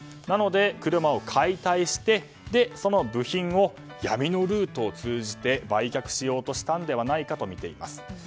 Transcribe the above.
なので、車を解体してその部品を闇のルートを通じて売却しようとしたのではないかとみています。